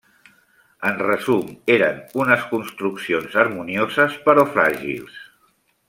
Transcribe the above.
En resum, eren unes construccions harmonioses però fràgils.